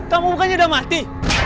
kamu berarti udah mati